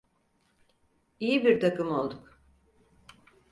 İyi bir takım olduk.